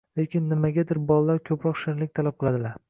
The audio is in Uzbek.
lekin nimagadir bolalar ko‘proq shirinlik talab qiladilar.